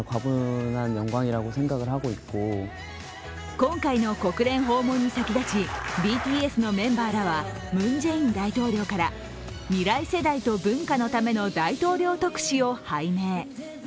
今回の国連訪問に先立ち、ＢＴＳのメンバーらはムン・ジェイン大統領から未来世代と文化のための大統領特使を拝命。